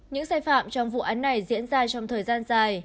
những sai phạm trong vụ án này diễn ra trong thời gian dài